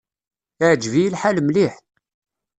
Iɛǧeb-iyi lḥal mliḥ.